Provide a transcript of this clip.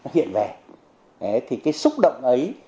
hiện về thì cái xúc động ấy